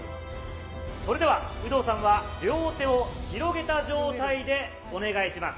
それでは有働さんは両手を広げた状態でお願いします。